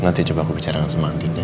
nanti coba aku bicara sama andin ya